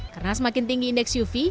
karena semakin tinggi indeks uv